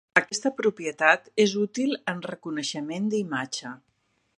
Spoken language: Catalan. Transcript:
Aquesta propietat és útil en reconeixement d'imatge.